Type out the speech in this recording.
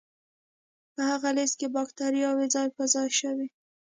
په هغه لست کې بکتریاوې ځای په ځای شوې.